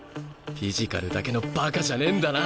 フィジカルだけのバカじゃねえんだな！